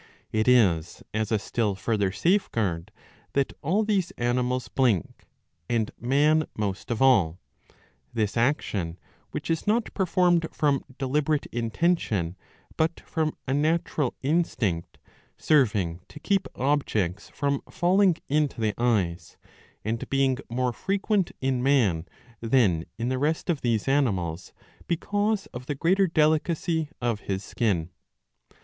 It is as a still further safeguard, that all these animals blink, and man most of all ; this action (which is not performed from deliberate intention but from a natural instinct)^ serving to keep objects from falling into the eyes ; and being more frequent in man than in the rest of these animals, because of the greater delicacy of his skin.